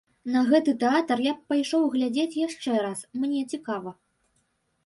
На гэты тэатр я б пайшоў глядзець яшчэ раз, мне цікава.